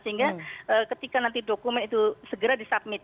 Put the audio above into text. sehingga ketika nanti dokumen itu segera disubmit